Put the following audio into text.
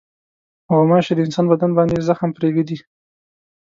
غوماشې د انسان بدن باندې زخم پرېږدي.